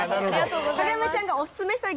影山ちゃんがオススメしたい